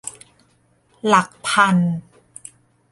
หลักพัน